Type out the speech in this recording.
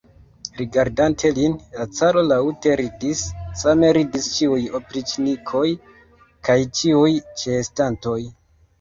Rigardante lin, la caro laŭte ridis, same ridis ĉiuj opriĉnikoj kaj ĉiuj ĉeestantoj.